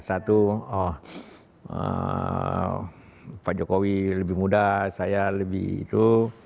satu pak jokowi lebih muda saya lebih itu